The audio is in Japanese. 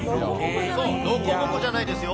そう、ロコモコじゃないですよ。